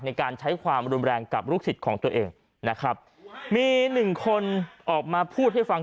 ในการใช้ความรุนแรงกับลูกศิษย์ของตัวเองนะครับมีหนึ่งคนออกมาพูดให้ฟัง